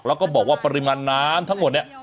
แล้วก็บอกว่าปริมาณน้ำทั้งหมดเนี่ย